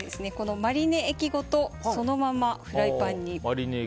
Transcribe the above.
マリネ液ごとそのままフライパンに。